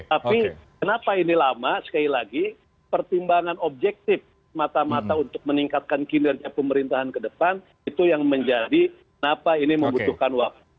tapi kenapa ini lama sekali lagi pertimbangan objektif mata mata untuk meningkatkan kinerja pemerintahan ke depan itu yang menjadi kenapa ini membutuhkan waktu